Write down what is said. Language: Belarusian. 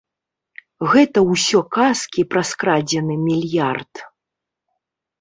Гэта ўсё казкі пра скрадзены мільярд!